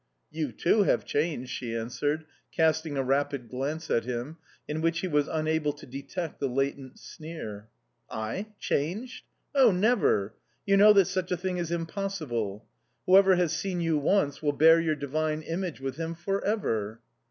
"You, too, have changed," she answered, casting a rapid glance at him, in which he was unable to detect the latent sneer. "I! Changed?... Oh, never! You know that such a thing is impossible! Whoever has seen you once will bear your divine image with him for ever."